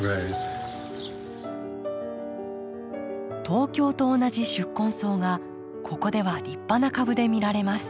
東京と同じ宿根草がここでは立派な株で見られます。